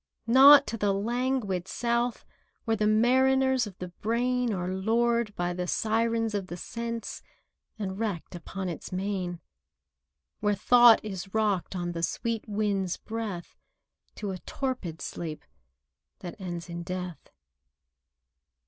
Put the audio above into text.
Not to the languid South, Where the mariners of the brain Are lured by the Sirens of the Sense, And wrecked upon its main— Where Thought is rocked, on the sweet wind's breath To a torpid sleep that ends in death.